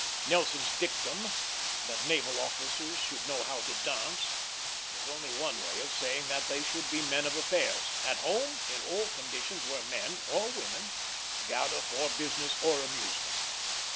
Nelson's dictum that naval officers should know how to dance was only one way of saying that they should be men of affairs, at home in all conditions where men or women gather for business or amusement.